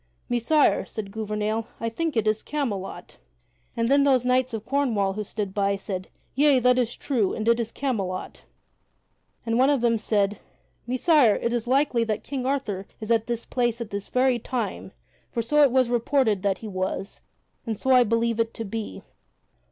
"Messire," said Gouvernail, "I think it is Camelot." And then those knights of Cornwall who stood by said, "Yea, that is true, and it is Camelot." And one of them said: "Messire, it is likely that King Arthur is at that place at this very time, for so it was reported that he was, and so I believe it to be."